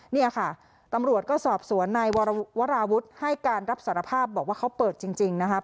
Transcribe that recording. เนี่ยค่ะตำรวจก็สอบสวนนายวราวุฒิให้การรับสารภาพบอกว่าเขาเปิดจริงนะครับ